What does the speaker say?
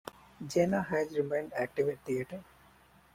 Janney has remained active in theater.